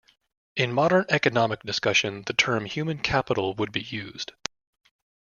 In modern economic discussion, the term human capital would be used.